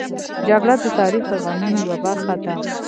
جګړه د تاریخ د غمونو یوه برخه ده